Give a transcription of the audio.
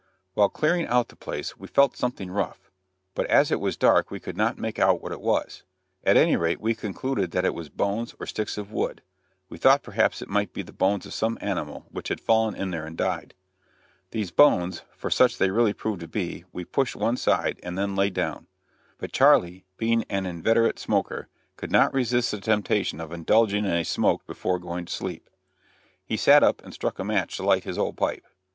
While clearing out the place we felt something rough, but as it was dark we could not make out what it was. At any rate we concluded that it was bones or sticks of wood; we thought perhaps it might be the bones of some animal which had fallen in there and died. These bones, for such they really proved to be, we pushed one side and then we lay down. But Charley, being an inveterate smoker, could not resist the temptation of indulging in a smoke before going to sleep. So he sat up and struck a match to light his old pipe.